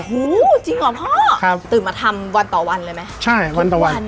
หูจริงเหรอพ่อครับตื่นมาทำวันต่อวันเลยไหมใช่วันต่อวัน